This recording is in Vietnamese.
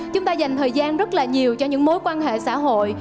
chúng ta dành thời gian rất là nhiều cho những mối quan hệ xã hội